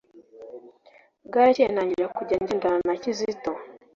Bwarakeye ntangira kujya ngendana na Kizito